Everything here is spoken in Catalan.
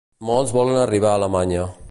Molts volen arribar a Alemanya.